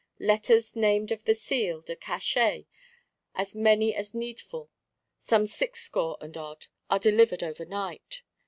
Letters named of the Seal (de Cachet), as many as needful, some sixscore and odd, are delivered overnight.